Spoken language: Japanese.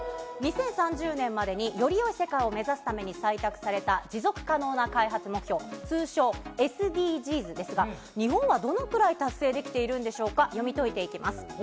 ２０３０年までによりよい世界を目指すために採択した持続可能な開発目標、通称ＳＤＧｓですが、日本はどのくらい達成できているんでしょうか、読み解いていきます。